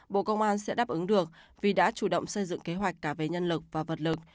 bộ công an sẽ đáp ứng được vì đã chủ động xây dựng kế hoạch cả về nhân lực và vật lực